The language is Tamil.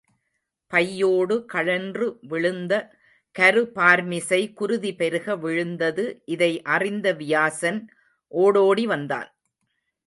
பையோடு கழன்று விழுந்த கரு பார்மிசை குருதி பெருக விழுந்தது இதை அறிந்த வியாசன் ஓடோடி வந்தான்.